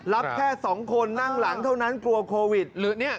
รับแค่สองคนนั่งหลังเท่านั้นกลัวเซ็นต์อีก